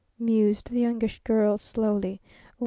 mused the Youngish Girl slowly.